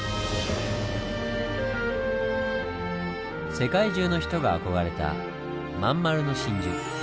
世界中の人が憧れたまん丸の真珠。